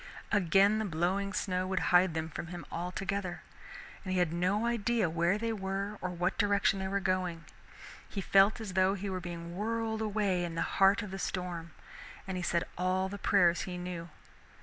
Again the blowing snow would hide them from him altogether. He had no idea where they were or what direction they were going. He felt as though he were being whirled away in the heart of the storm, and he said all the prayers he knew.